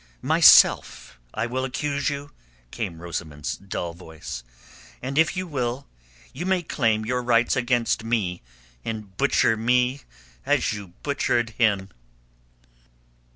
"Myself I will accuse you," came Rosamund's dull voice. "And if you will, you may claim your rights against me and butcher me as you butchered him."